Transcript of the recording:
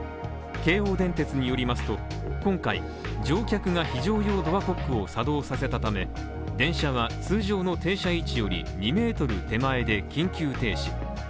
京王電鉄によりますと、今回、乗客が非常用ドアコックを作動させたため、電車は通常の停車位置より２ｍ手前で緊急停止。